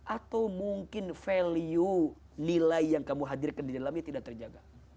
atau mungkin value nilai yang kamu hadirkan di dalamnya tidak terjaga